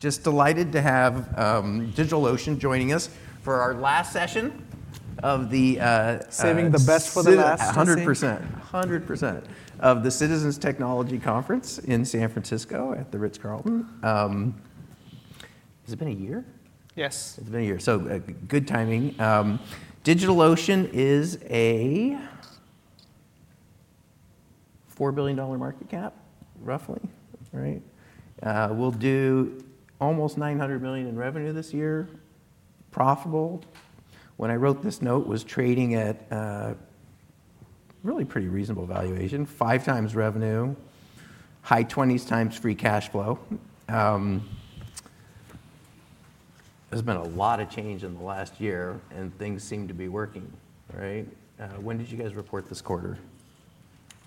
Just delighted to have DigitalOcean joining us for our last session of the. Saving the best for the last. 100%. 100% of the Citizens Technology Conference in San Francisco at the Ritz-Carlton. Has it been a year? Yes. It's been a year, so good timing. DigitalOcean is a $4 billion market cap, roughly. We'll do almost $900 million in revenue this year. Profitable. When I wrote this note, it was trading at a really pretty reasonable valuation. Five times revenue, high 20s times free cash flow. There's been a lot of change in the last year, and things seem to be working. When did you guys report this quarter?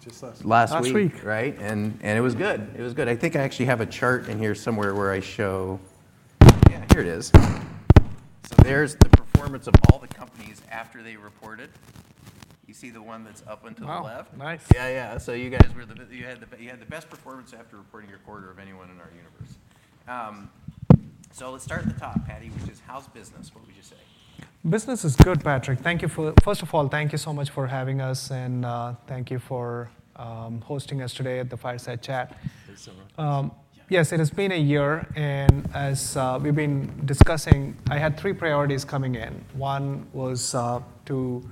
Just last week. Last week and it was good. It was good. I think I actually have a chart in here somewhere where I show, yeah, here it is, so there's the performance of all the companies after they reported. You see the one that's up and to the left? Nice. Yeah, yeah. So you guys had the best performance after reporting your quarter of anyone in our universe. So let's start at the top, Paddy, which is how's business? What would you say? Business is good, Patrick. Thank you for first of all, thank you so much for having us, and thank you for hosting us today at the Fireside Chat. Thanks so much. Yes, it has been a year. And as we've been discussing, I had three priorities coming in. One was to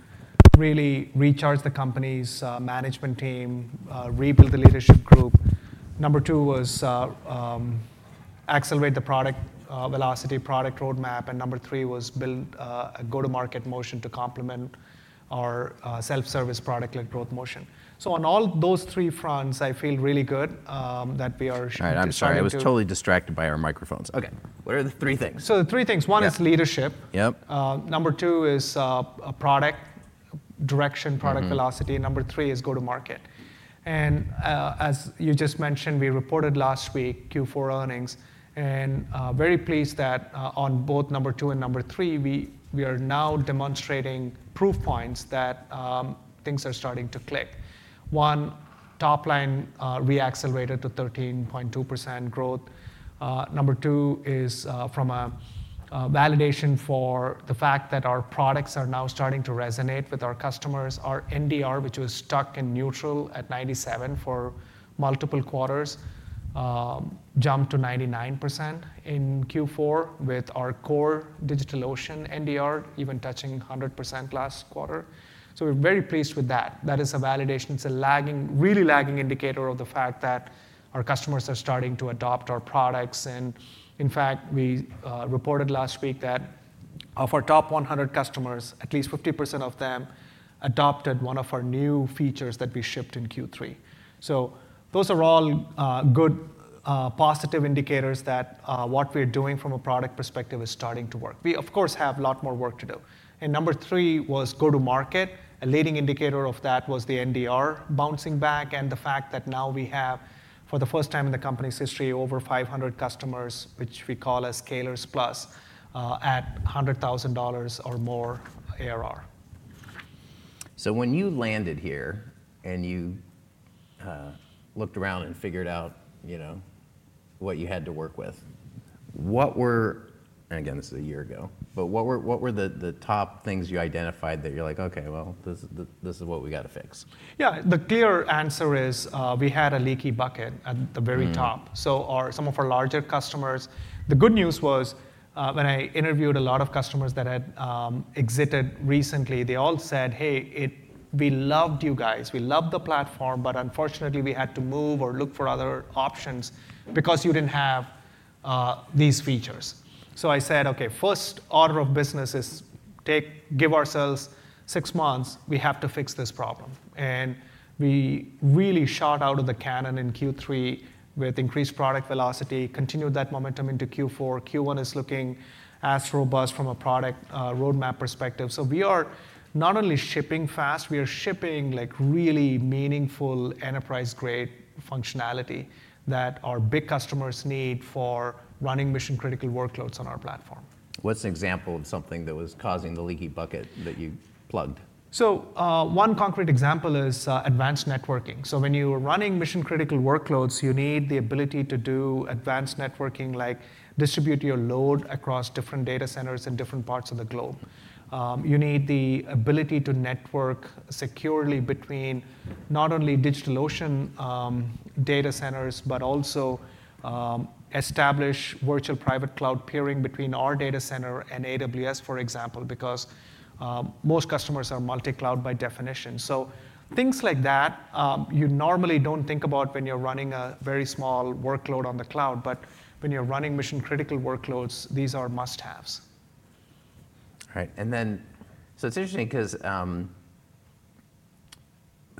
really recharge the company's management team, rebuild the leadership group. Number two was to accelerate the product velocity, product roadmap. And number three was to build a go-to-market motion to complement our self-service product-led growth motion. So on all those three fronts, I feel really good that we are shooting for. All right. I'm sorry. I was totally distracted by our microphones. OK. What are the three things? So, the three things, one is leadership. Yep. Number two is product direction, product velocity. Number three is go-to-market, and as you just mentioned, we reported last week Q4 earnings, and very pleased that on both number two and number three, we are now demonstrating proof points that things are starting to click. One, top line reaccelerated to 13.2% growth. Number two is from a validation for the fact that our products are now starting to resonate with our customers. Our NDR, which was stuck in neutral at 97% for multiple quarters, jumped to 99% in Q4 with our core DigitalOcean NDR even touching 100% last quarter, so we're very pleased with that. That is a validation. It's a really lagging indicator of the fact that our customers are starting to adopt our products. And in fact, we reported last week that of our top 100 customers, at least 50% of them adopted one of our new features that we shipped in Q3. So those are all good, positive indicators that what we're doing from a product perspective is starting to work. We, of course, have a lot more work to do. And number three was go-to-market. A leading indicator of that was the NDR bouncing back and the fact that now we have, for the first time in the company's history, over 500 customers, which we call as Scalers Plus at $100,000 or more ARR. So when you landed here and you looked around and figured out what you had to work with, and again, this is a year ago. But what were the top things you identified that you're like, OK, well, this is what we got to fix? Yeah. The clear answer is we had a leaky bucket at the very top. So some of our larger customers, the good news was, when I interviewed a lot of customers that had exited recently, they all said, hey, we loved you guys. We loved the platform, but unfortunately, we had to move or look for other options because you didn't have these features. So I said, OK, first order of business is give ourselves six months. We have to fix this problem. And we really shot out of the cannon in Q3 with increased product velocity, continued that momentum into Q4. Q1 is looking as robust from a product roadmap perspective. So we are not only shipping fast, we are shipping really meaningful enterprise-grade functionality that our big customers need for running mission-critical workloads on our platform. What's an example of something that was causing the leaky bucket that you plugged? One concrete example is advanced networking. When you are running mission-critical workloads, you need the ability to do advanced networking, like distribute your load across different data centers in different parts of the globe. You need the ability to network securely between not only DigitalOcean data centers, but also establish virtual private cloud peering between our data center and AWS, for example, because most customers are multi-cloud by definition. Things like that you normally don't think about when you're running a very small workload on the cloud. When you're running mission-critical workloads, these are must-haves. All right. Then so it's interesting because the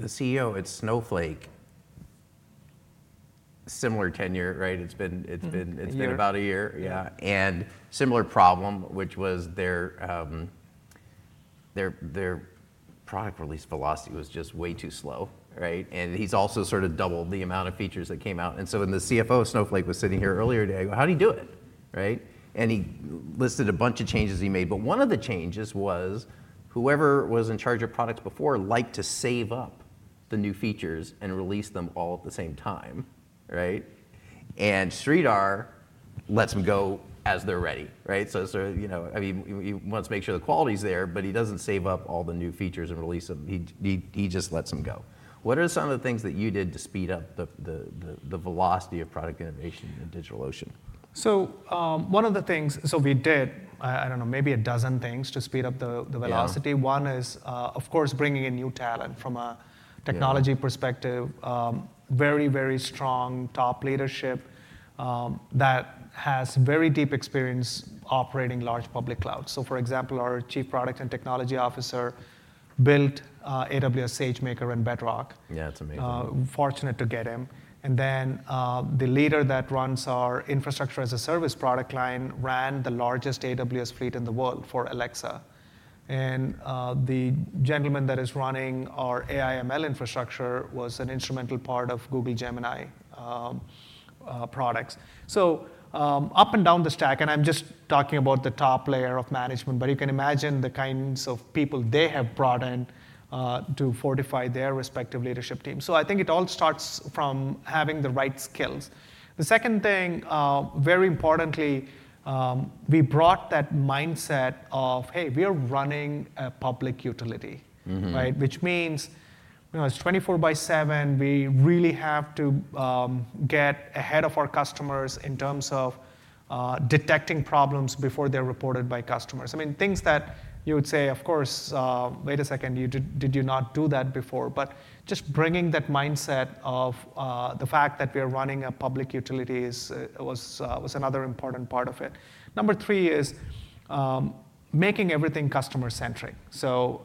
CEO at Snowflake, similar tenure, right? It's been about a year. Yeah. Similar problem, which was their product release velocity was just way too slow. He's also sort of doubled the amount of features that came out. So when the CFO of Snowflake was sitting here earlier today, I go, how did he do it? He listed a bunch of changes he made. One of the changes was whoever was in charge of products before liked to save up the new features and release them all at the same time. Sridhar lets them go as they're ready. I mean, he wants to make sure the quality is there, but he doesn't save up all the new features and release them. He just lets them go. What are some of the things that you did to speed up the velocity of product innovation in DigitalOcean? One of the things so we did, I don't know, maybe a dozen things to speed up the velocity. One is, of course, bringing in new talent from a technology perspective, very, very strong top leadership that has very deep experience operating large public clouds. For example, our Chief Product and Technology Officer built AWS SageMaker and Bedrock. Yeah, that's amazing. Fortunate to get him, and then the leader that runs our Infrastructure as a Service product line ran the largest AWS fleet in the world for Alexa. The gentleman that is running our AI/ML infrastructure was an instrumental part of Google Gemini products. Up and down the stack, and I'm just talking about the top layer of management, but you can imagine the kinds of people they have brought in to fortify their respective leadership teams. I think it all starts from having the right skills. The second thing, very importantly, we brought that mindset of, hey, we are running a public utility, which means it's 24 by seven. We really have to get ahead of our customers in terms of detecting problems before they're reported by customers. I mean, things that you would say, of course, wait a second, did you not do that before? But just bringing that mindset of the fact that we are running a public utility was another important part of it. Number three is making everything customer-centric. So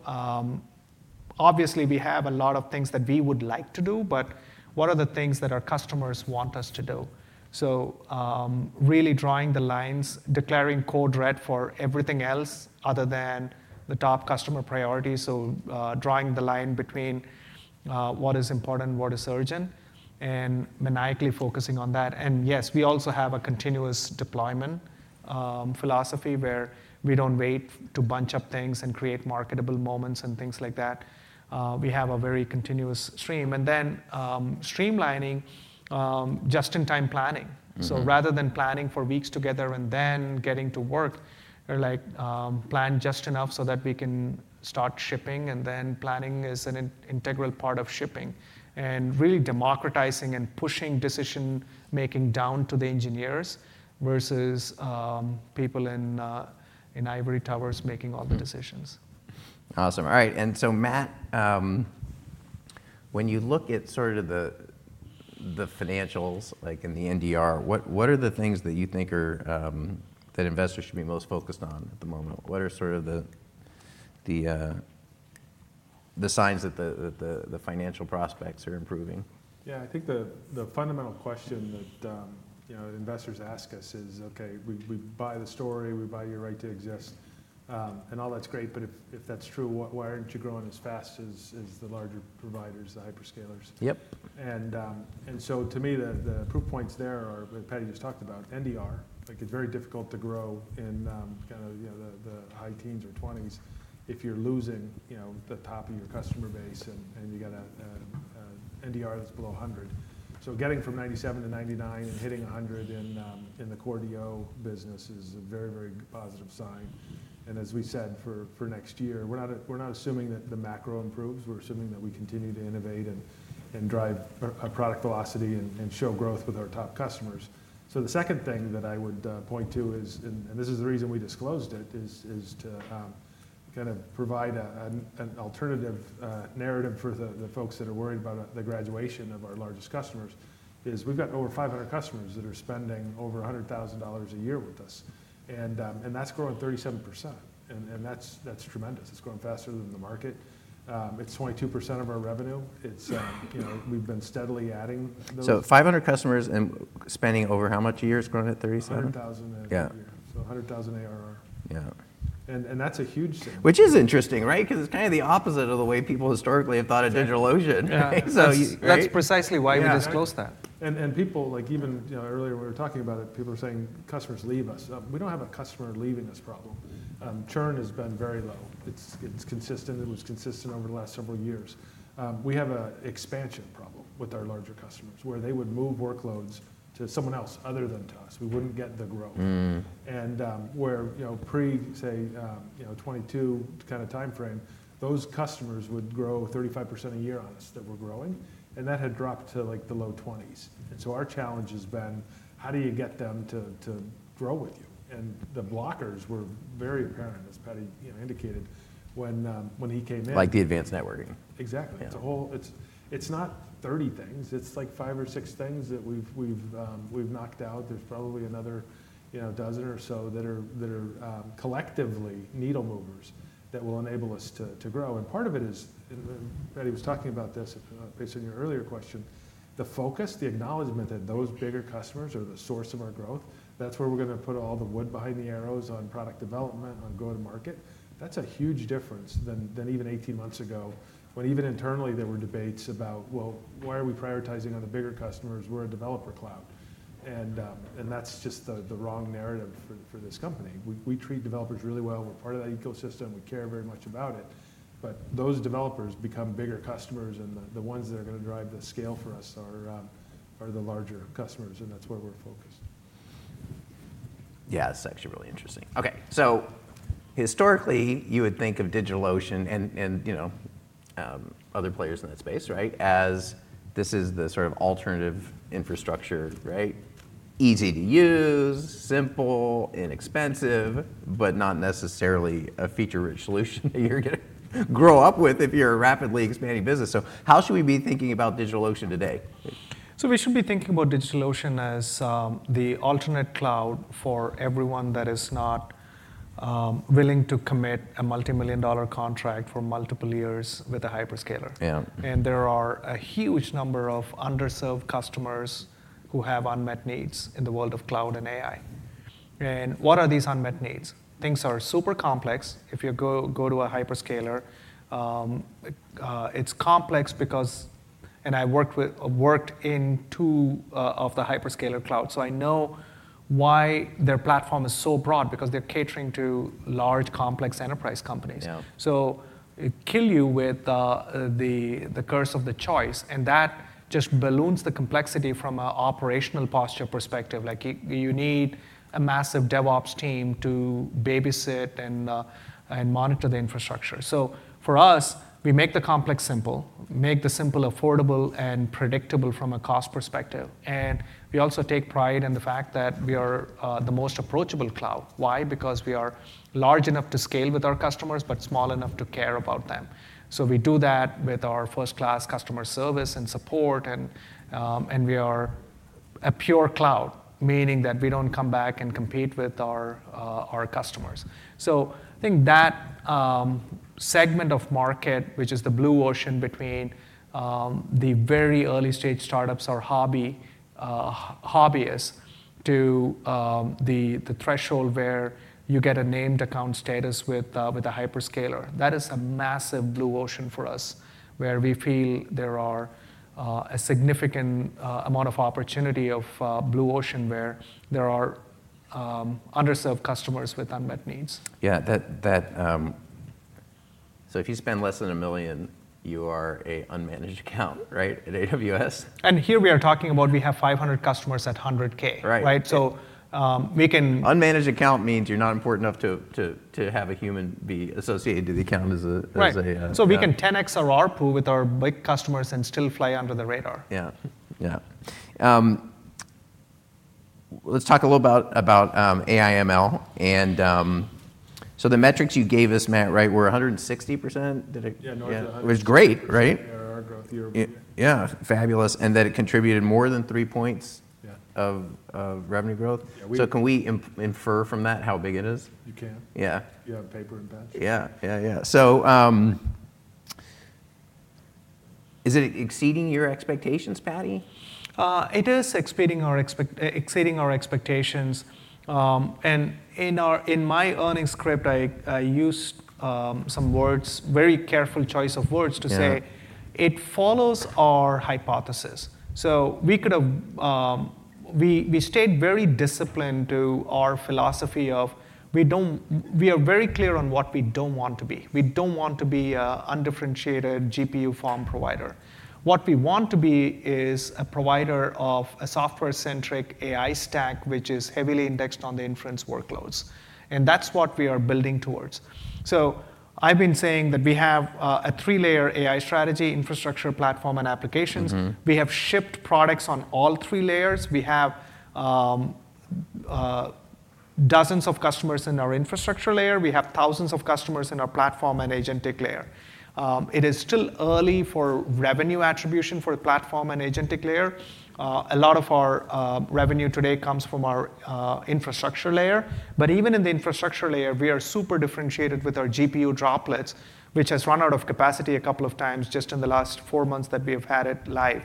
obviously, we have a lot of things that we would like to do, but what are the things that our customers want us to do? So really drawing the lines, declaring code red for everything else other than the top customer priority. So drawing the line between what is important, what is urgent, and maniacally focusing on that. And yes, we also have a continuous deployment philosophy where we don't wait to bunch up things and create marketable moments and things like that. We have a very continuous stream. And then streamlining, just-in-time planning. So rather than planning for weeks together and then getting to work, we're like, plan just enough so that we can start shipping. Planning is an integral part of shipping. Really democratizing and pushing decision-making down to the engineers versus people in ivory towers making all the decisions. Awesome. All right. And so Matt, when you look at sort of the financials in the NDR, what are the things that you think that investors should be most focused on at the moment? What are sort of the signs that the financial prospects are improving? Yeah. I think the fundamental question that investors ask us is, OK, we buy the story. We buy your right to exist. And all that's great. But if that's true, why aren't you growing as fast as the larger providers, the hyperscalers? Yep. And so to me, the proof points there are what Paddy just talked about, NDR. It's very difficult to grow in kind of the high teens or 20s% if you're losing the top of your customer base. And you've got an NDR that's below 100%. So getting from 97% to 99% and hitting 100% in the core DO business is a very, very positive sign. And as we said, for next year, we're not assuming that the macro improves. We're assuming that we continue to innovate and drive product velocity and show growth with our top customers. So the second thing that I would point to is, and this is the reason we disclosed it, is to kind of provide an alternative narrative for the folks that are worried about the graduation of our largest customers. We've got over 500 customers that are spending over $100,000 a year with us. And that's growing 37%. And that's tremendous. It's growing faster than the market. It's 22% of our revenue. We've been steadily adding those. 500 customers and spending over how much a year? It's growing at 37%. 100,000 a year, so 100,000 ARR. Yeah. That's a huge thing. Which is interesting, right? Because it's kind of the opposite of the way people historically have thought of DigitalOcean. That's precisely why we disclosed that. And people, even earlier when we were talking about it, people were saying, customers leave us. We don't have a customer leaving us problem. Churn has been very low. It's consistent. It was consistent over the last several years. We have an expansion problem with our larger customers where they would move workloads to someone else other than to us. We wouldn't get the growth. And where pre-say, 2022 kind of time frame, those customers would grow 35% a year on us that were growing. And that had dropped to the low 20s. And so our challenge has been, how do you get them to grow with you? And the blockers were very apparent, as Paddy indicated, when he came in. Like the advanced networking. Exactly. It's not 30 things. It's like five or six things that we've knocked out. There's probably another dozen or so that are collectively needle movers that will enable us to grow. And part of it is, and Paddy was talking about this based on your earlier question, the focus, the acknowledgment that those bigger customers are the source of our growth, that's where we're going to put all the wood behind the arrows on product development, on go-to-market. That's a huge difference than even 18 months ago when even internally there were debates about, well, why are we prioritizing on the bigger customers? We're a developer cloud. And that's just the wrong narrative for this company. We treat developers really well. We're part of that ecosystem. We care very much about it. But those developers become bigger customers. The ones that are going to drive the scale for us are the larger customers. That's where we're focused. Yeah, that's actually really interesting. OK. So historically, you would think of DigitalOcean and other players in that space as this is the sort of alternative infrastructure, easy to use, simple, inexpensive, but not necessarily a feature-rich solution that you're going to grow up with if you're a rapidly expanding business. So how should we be thinking about DigitalOcean today? So we should be thinking about DigitalOcean as the alternate cloud for everyone that is not willing to commit a multi-million dollar contract for multiple years with a hyperscaler. And there are a huge number of underserved customers who have unmet needs in the world of cloud and AI. And what are these unmet needs? Things are super complex. If you go to a hyperscaler, it's complex because I worked in two of the hyperscaler clouds. So I know why their platform is so broad because they're catering to large, complex enterprise companies. So it'll kill you with the curse of the choice. And that just balloons the complexity from an operational posture perspective. You need a massive DevOps team to babysit and monitor the infrastructure. So for us, we make the complex simple, make the simple affordable and predictable from a cost perspective. We also take pride in the fact that we are the most approachable cloud. Why? Because we are large enough to scale with our customers but small enough to care about them, so we do that with our first-class customer service and support, and we are a pure cloud, meaning that we don't come back and compete with our customers, so I think that segment of market, which is the blue ocean between the very early-stage startups or hobbyists to the threshold where you get a named account status with a hyperscaler, that is a massive blue ocean for us where we feel there are a significant amount of opportunity of blue ocean where there are underserved customers with unmet needs. Yeah, so if you spend less than a million, you are an unmanaged account at AWS. And here we are talking about we have 500 customers at $100K. Right. So we can. Unmanaged account means you're not important enough to have a human be associated to the account as a. Right. So we can 10x our output with our big customers and still fly under the radar. Yeah. Yeah. Let's talk a little about AI/ML. And so the metrics you gave us, Matt, were 160%? Yeah, north of 100%. Which is great, right? Yeah, our growth year. Yeah, fabulous. And that it contributed more than three points of revenue growth. So can we infer from that how big it is? You can. Yeah. You have paper and pen. Yeah, yeah, yeah, so is it exceeding your expectations, Paddy? It is exceeding our expectations, and in my earnings script, I used some words, very careful choice of words to say it follows our hypothesis, so we stayed very disciplined to our philosophy of we are very clear on what we don't want to be. We don't want to be an undifferentiated GPU farm provider. What we want to be is a provider of a software-centric AI stack which is heavily indexed on the inference workloads, and that's what we are building towards, so I've been saying that we have a three-layer AI strategy, infrastructure platform, and applications. We have shipped products on all three layers. We have dozens of customers in our infrastructure layer. We have thousands of customers in our platform and agentic layer. It is still early for revenue attribution for the platform and agentic layer. A lot of our revenue today comes from our infrastructure layer. But even in the infrastructure layer, we are super differentiated with our GPU Droplets, which has run out of capacity a couple of times just in the last four months that we have had it live.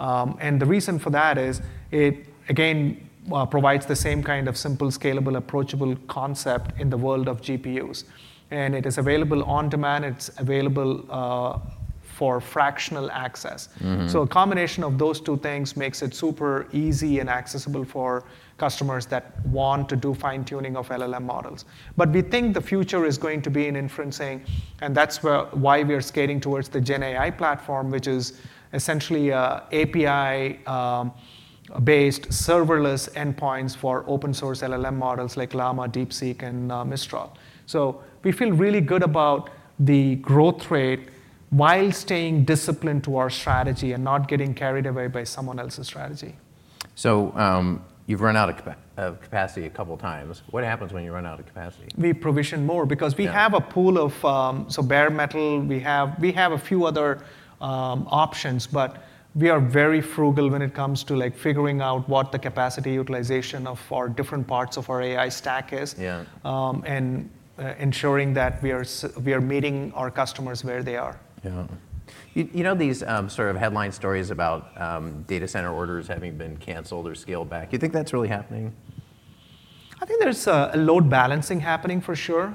And the reason for that is it, again, provides the same kind of simple, scalable, approachable concept in the world of GPUs. And it is available on demand. It's available for fractional access. So a combination of those two things makes it super easy and accessible for customers that want to do fine-tuning of LLM models. But we think the future is going to be in inferencing. And that's why we are scaling towards the GenAI Platform, which is essentially API-based serverless endpoints for open-source LLM models like Llama, DeepSeek, and Mistral. We feel really good about the growth rate while staying disciplined to our strategy and not getting carried away by someone else's strategy. So you've run out of capacity a couple of times. What happens when you run out of capacity? We provision more because we have a pool of so bare metal. We have a few other options. But we are very frugal when it comes to figuring out what the capacity utilization of our different parts of our AI stack is and ensuring that we are meeting our customers where they are. Yeah. You know these sort of headline stories about data center orders having been canceled or scaled back. Do you think that's really happening? I think there's a load balancing happening for sure.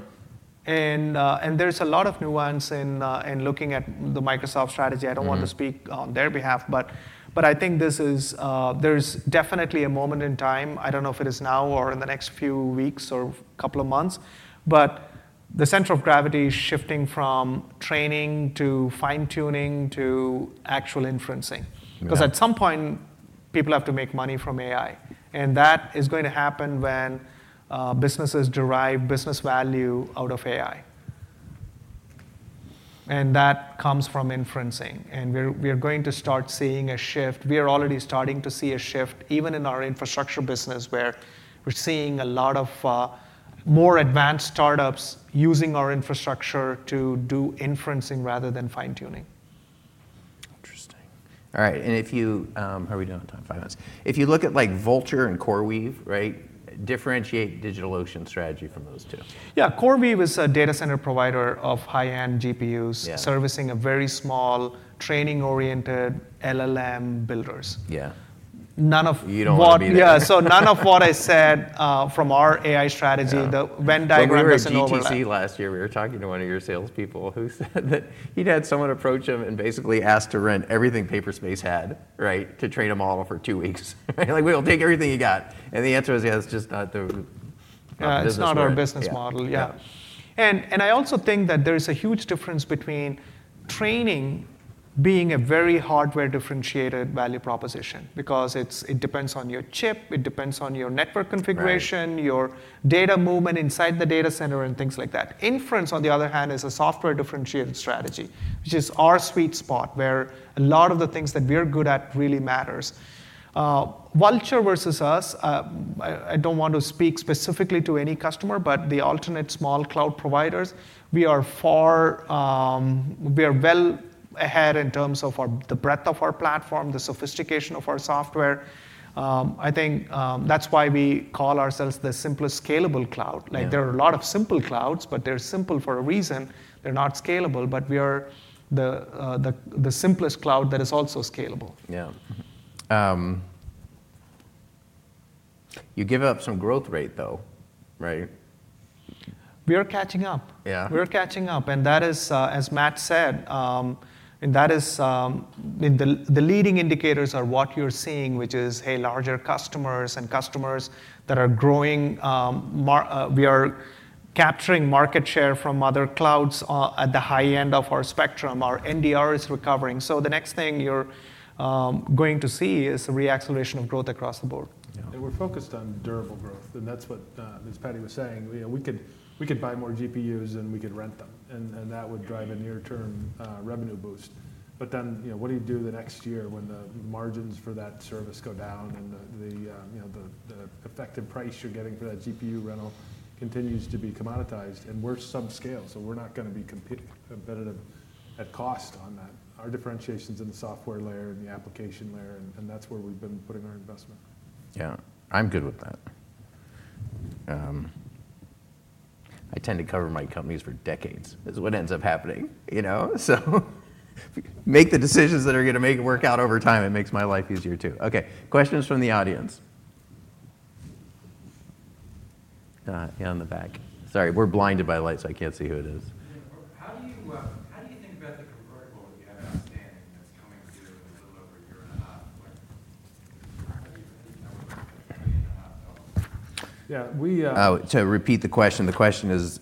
And there's a lot of nuance in looking at the Microsoft strategy. I don't want to speak on their behalf. But I think there's definitely a moment in time. I don't know if it is now or in the next few weeks or a couple of months. But the center of gravity is shifting from training to fine-tuning to actual inferencing. Because at some point, people have to make money from AI. And that is going to happen when businesses derive business value out of AI. And that comes from inferencing. And we are going to start seeing a shift. We are already starting to see a shift even in our infrastructure business where we're seeing a lot of more advanced startups using our infrastructure to do inferencing rather than fine-tuning. Interesting. All right. And how are we doing on time? Five minutes. If you look at Vultr and CoreWeave, differentiate DigitalOcean strategy from those two. Yeah. CoreWeave is a data center provider of high-end GPUs servicing a very small training-oriented LLM builders. Yeah. None of. You don't want people. Yeah, so none of what I said from our AI strategy, the Venn diagram doesn't overlap. Remember in GTC last year, we were talking to one of your salespeople who said that he'd had someone approach him and basically asked to rent everything Paperspace had to train a model for two weeks. Like, we'll take everything you got. And the answer was, yeah, it's just not the. That's not our business model. Yeah. And I also think that there is a huge difference between training being a very hardware differentiated value proposition because it depends on your chip. It depends on your network configuration, your data movement inside the data center, and things like that. Inference, on the other hand, is a software differentiated strategy, which is our sweet spot where a lot of the things that we are good at really matter. Vultr versus us, I don't want to speak specifically to any customer, but the alternate small cloud providers, we are well ahead in terms of the breadth of our platform, the sophistication of our software. I think that's why we call ourselves the simplest scalable cloud. There are a lot of simple clouds, but they're simple for a reason. They're not scalable. But we are the simplest cloud that is also scalable. Yeah. You give up some growth rate, though. We are catching up. Yeah. We are catching up, and that is, as Matt said, the leading indicators are what you're seeing, which is, hey, larger customers and customers that are growing. We are capturing market share from other clouds at the high end of our spectrum. Our NDR is recovering, so the next thing you're going to see is a reacceleration of growth across the board. And we're focused on durable growth. And that's what as Paddy was saying. We could buy more GPUs and we could rent them. And that would drive a near-term revenue boost. But then what do you do the next year when the margins for that service go down and the effective price you're getting for that GPU rental continues to be commoditized? And we're subscale. So we're not going to be competitive at cost on that. Our differentiation is in the software layer and the application layer. And that's where we've been putting our investment. Yeah. I'm good with that. I tend to cover my companies for decades. It's what ends up happening. So make the decisions that are going to make it work out over time. It makes my life easier, too. OK. Questions from the audience? Yeah, in the back. Sorry. We're blinded by lights, so I can't see who it is. How do you think about the convertible that you have outstanding that's coming through in a little over a year and a half? How do you come up with $1.5 million? Yeah. To repeat the question, the question is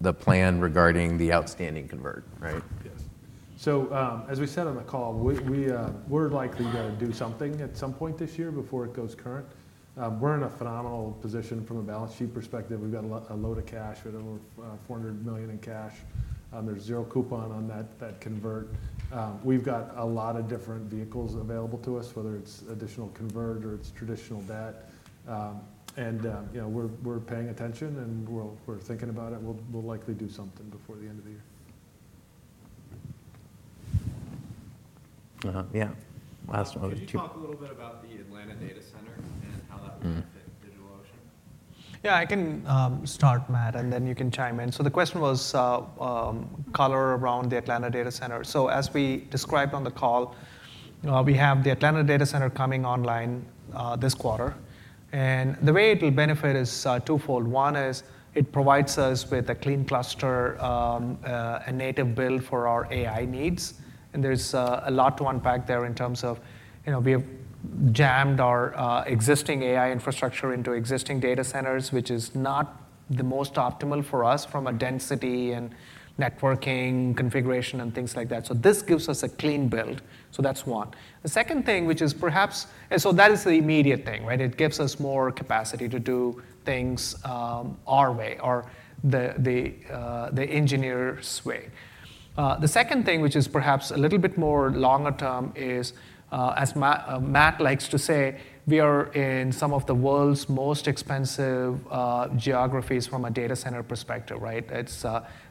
the plan regarding the outstanding convert, right? Yes, so as we said on the call, we're likely to do something at some point this year before it goes current. We're in a phenomenal position from a balance sheet perspective. We've got a load of cash. We have over $400 million in cash. There's zero coupon on that convert. We've got a lot of different vehicles available to us, whether it's additional convert or it's traditional debt. And we're paying attention. And we're thinking about it. We'll likely do something before the end of the year. Yeah. Last one. Can you talk a little bit about the Atlanta data center and how that will benefit DigitalOcean? Yeah. I can start, Matt. And then you can chime in. So the question was color around the Atlanta data center. So as we described on the call, we have the Atlanta data center coming online this quarter. And the way it will benefit is twofold. One is it provides us with a clean cluster, a native build for our AI needs. And there's a lot to unpack there in terms of we have jammed our existing AI infrastructure into existing data centers, which is not the most optimal for us from a density and networking configuration and things like that. So this gives us a clean build. So that's one. The second thing, which is perhaps so that is the immediate thing. It gives us more capacity to do things our way or the engineer's way. The second thing, which is perhaps a little bit more longer term, is, as Matt likes to say, we are in some of the world's most expensive geographies from a data center perspective. It's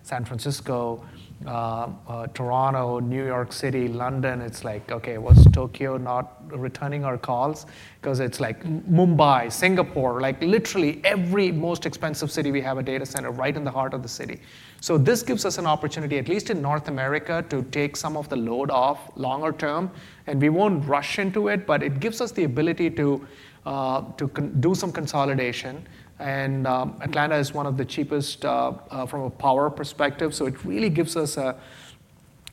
San Francisco, Toronto, New York City, London. It's like, OK, was Tokyo not returning our calls? Because it's like Mumbai, Singapore, literally every most expensive city we have a data center right in the heart of the city. So this gives us an opportunity, at least in North America, to take some of the load off longer term, and we won't rush into it, but it gives us the ability to do some consolidation and Atlanta is one of the cheapest from a power perspective, so it really gives us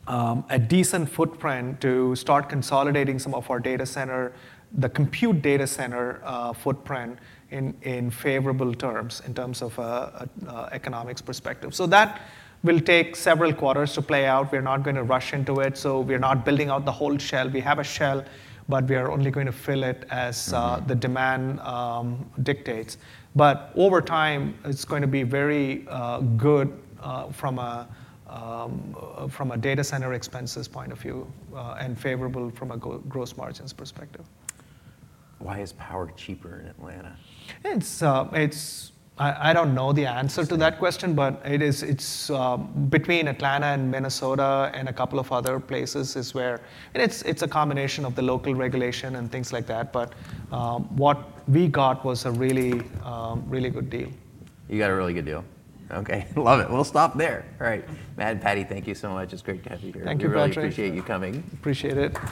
a decent footprint to start consolidating some of our data center, the compute data center footprint in favorable terms in terms of an economics perspective. So that will take several quarters to play out. We're not going to rush into it. So we're not building out the whole shell. We have a shell. But we are only going to fill it as the demand dictates. But over time, it's going to be very good from a data center expenses point of view and favorable from a gross margins perspective. Why is power cheaper in Atlanta? I don't know the answer to that question. But between Atlanta and Minnesota and a couple of other places is where it's a combination of the local regulation and things like that. But what we got was a really, really good deal. You got a really good deal. OK. Love it. We'll stop there. All right. Matt and Paddy, thank you so much. It's great to have you here. Thank you, Patrick. I really appreciate you coming. Appreciate it.